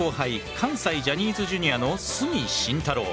関西ジャニーズＪｒ．の角紳太郎。